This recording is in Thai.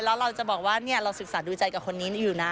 แล้วเราจะบอกว่าเราศึกษาดูใจกับคนนี้อยู่นะ